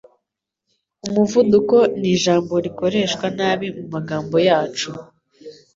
Umuvuduko nijambo rikoreshwa nabi mumagambo yacu.